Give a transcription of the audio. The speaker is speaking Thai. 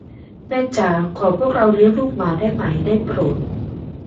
แม่จ๋า ขอพวกเราเลี้ยงลูกหมาได้ไหม ได้โปรด ?